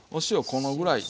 このぐらい。